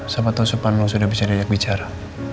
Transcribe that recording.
siapa tau supaya lo sudah bisa dilihat bicara